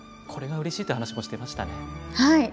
これがうれしいと話していました。